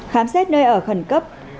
khám xét nơi ở khẩn cấp